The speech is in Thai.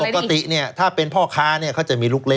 ปกติเนี่ยถ้าเป็นพ่อค้าเนี่ยเขาจะมีลูกเล